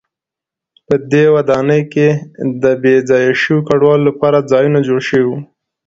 په دې ودانۍ کې د بې ځایه شویو کډوالو لپاره ځایونه جوړ شوي و.